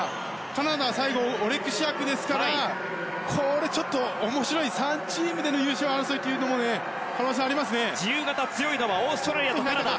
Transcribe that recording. カナダは最後オレクシアクですからこれ、ちょっと面白い３チームでの優勝争いというのも自由形強いのがオーストラリアとカナダ。